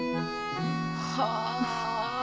はあ。